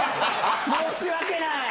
申し訳ない。